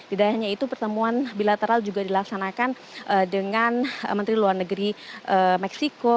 tidak hanya itu pertemuan bilateral juga dilaksanakan dengan menteri luar negeri meksiko